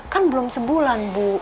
kan belum sebulan bu